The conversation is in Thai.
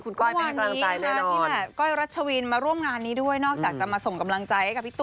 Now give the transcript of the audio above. คุณผู้ชมเมื่อวานไปกำลังไจครับ